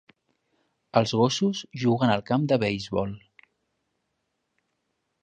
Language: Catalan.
Els gossos juguen al camp de beisbol.